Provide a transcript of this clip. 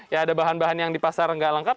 ya ada bahan bahan yang di pasar nggak lengkap